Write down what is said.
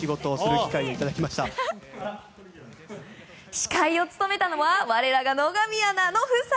司会を務めたのは我らが野上アナの夫妻。